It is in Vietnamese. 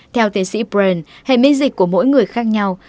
theo tiến sĩ brand hệ miễn dịch của mỗi người khác nhau